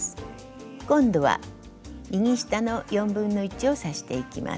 今度は右下の1/4を刺していきます。